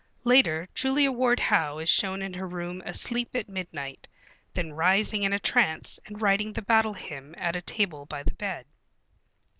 Later Julia Ward Howe is shown in her room asleep at midnight, then rising in a trance and writing the Battle Hymn at a table by the bed.